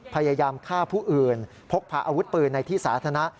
พยายามฆ่าผู้อื่นพกพาอาวุธปืนในที่สาธารณะ